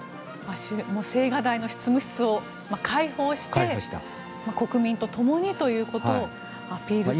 青瓦台の執務室を開放して国民とともにということをアピールする。